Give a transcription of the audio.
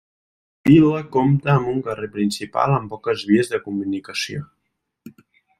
La vila compta amb un carrer principal, amb poques vies de comunicació.